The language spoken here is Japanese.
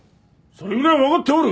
それぐらいわかっておる。